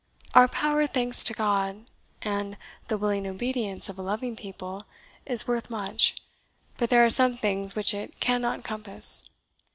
Our power, thanks to God, and the willing obedience of a loving people, is worth much, but there are some things which it cannot compass.